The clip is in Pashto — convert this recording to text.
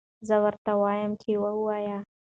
زه ورته وایم چې ووایه.